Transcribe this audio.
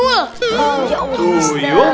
oh ya uang mister